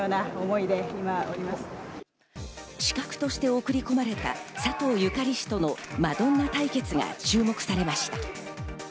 刺客として送り込まれた佐藤ゆかり氏とのマドンナ対決が注目されました。